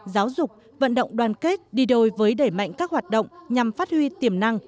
giáo dục vận động đoàn kết đi đôi với đẩy mạnh các hoạt động nhằm phát huy tiềm năng